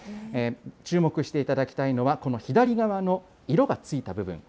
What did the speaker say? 注目していただきたいのは、この左側の色がついた部分。